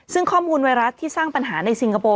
ซึ่งข้อมูลไวรัสที่สร้างปัญหาในสิงคโปร์